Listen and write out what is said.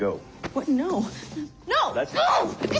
・おい